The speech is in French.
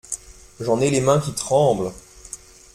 J’en ai les mains qui tremblent.